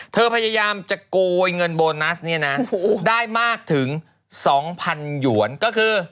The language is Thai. พยายามจะโกยเงินโบนัสเนี่ยนะได้มากถึง๒๐๐๐หยวนก็คือ